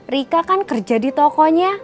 rika kan kerja di tokonya